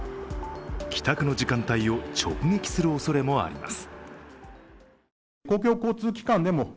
帰宅の時間帯を直撃するおそれもあります。